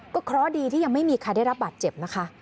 เพราะดีที่ยังไม่มีใครได้รับบาดเจ็บนะคะ